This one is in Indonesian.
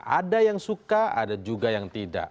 ada yang suka ada juga yang tidak